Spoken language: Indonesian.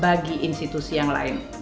bagi institusi yang lain